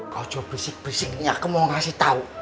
kau jauh berisik berisik ini aku mau kasih tau